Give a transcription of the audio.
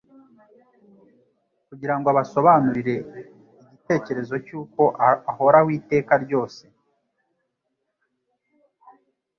kugira ngo abasobanurire igitekerezo cy'uko ahoraho iteka ryose.